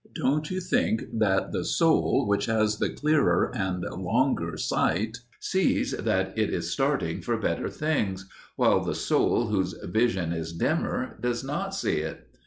Don't you think that the soul which has the clearer and longer sight sees that it is starting for better things, while the soul whose vision is dimmer does not see it?